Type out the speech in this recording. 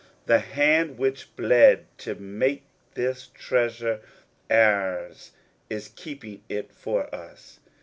The hand which bled to make this treasure ours is keeping it for us.